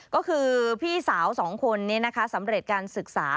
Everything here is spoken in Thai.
ก็คือพี่สาว๒คนนี้นะคะสำเร็จการศึกษา